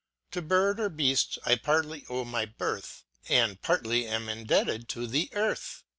To bird or beaft I partly owe my birth, And partly am indebted to the earth.